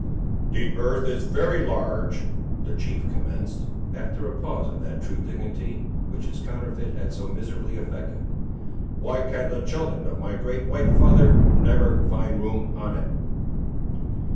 "The earth is very large," the chief commenced, after a pause of that true dignity which his counterfeit had so miserably affected; "why can the children of my great white father never find room on it?"